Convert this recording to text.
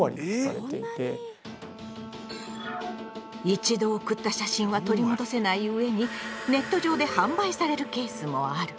一度送った写真は取り戻せないうえにネット上で販売されるケースもある。